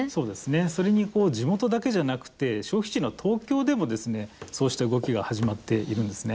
それに地元だけじゃなくて消費地の東京でもそうした動きが始まっているんですね。